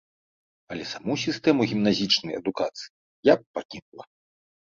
Але саму сістэму гімназічнай адукацыі я б пакінула.